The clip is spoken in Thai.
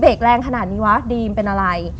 แรงขนาดนี้วะดีมเป็นอะไร